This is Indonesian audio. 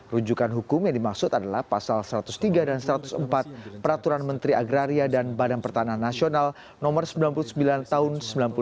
runjukan hukum yang dimaksud adalah pasal satu ratus tiga dan satu ratus empat peraturan menteri agraria dan badan pertanah nasional nomor sembilan puluh sembilan tahun sembilan puluh sembilan